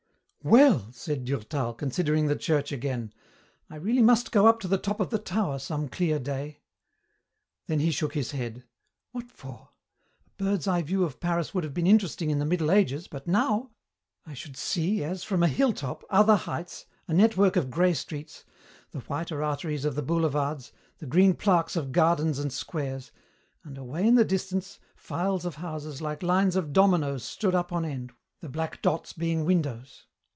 "Well," said Durtal, considering the church again, "I really must go up to the top of the tower some clear day." Then he shook his head. "What for? A bird's eye view of Paris would have been interesting in the Middle Ages, but now! I should see, as from a hill top, other heights, a network of grey streets, the whiter arteries of the boulevards, the green plaques of gardens and squares, and, away in the distance, files of houses like lines of dominoes stood up on end, the black dots being windows.